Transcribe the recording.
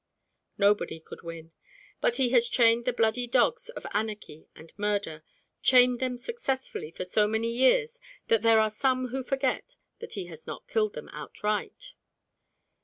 Nobody could win; but he has chained the bloody dogs of anarchy and murder, chained them successfully for so many years that there are some who forget that he has not killed them outright.